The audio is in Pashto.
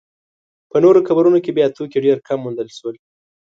په نورو قبرونو کې بیا توکي ډېر کم وموندل شول.